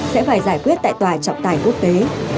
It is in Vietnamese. sẽ phải giải quyết tại tòa trọng tài quốc tế